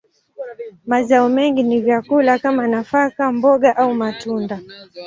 Mazao mengi ni vyakula kama nafaka, mboga, au matunda.